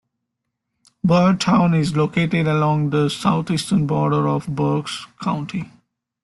Boyertown is located along the southeastern border of Berks County.